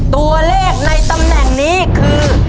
ตัวเลขในตำแหน่งนี้คือ